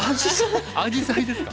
アジサイですか。